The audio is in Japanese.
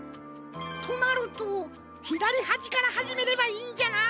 となるとひだりはじからはじめればいいんじゃな。